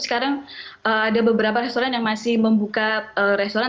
sekarang ada beberapa restoran yang masih membuka restoran